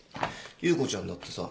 優子ちゃんだってさ